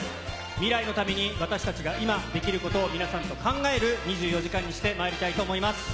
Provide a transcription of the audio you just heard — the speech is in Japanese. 未来のために私達が今できること、皆さんと考える２４時間にしてまいりたいと思います。